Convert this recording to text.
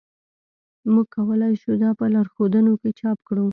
موږ کولی شو دا په لارښودونو کې چاپ کړو